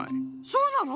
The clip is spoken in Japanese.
そうなの？